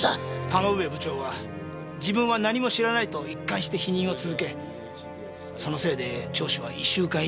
田ノ上部長は自分は何も知らないと一貫して否認を続けそのせいで聴取は１週間以上に及び。